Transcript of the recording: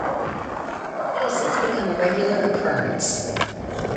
It has since become a regular occurrence.